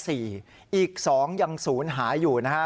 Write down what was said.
อีก๒ยังศูนย์หายอยู่นะฮะ